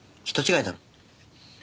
人違いだろ。